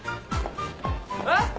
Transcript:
えっ？